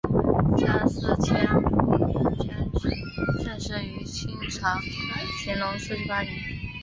蒋斯千父名蒋祈增生于清朝乾隆四十八年。